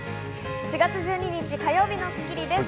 ４月１２日、火曜日の『スッキリ』です。